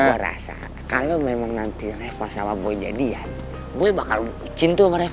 gue rasa kalau memang nanti reva sama boy jadi ya gue bakal bucin tuh sama reva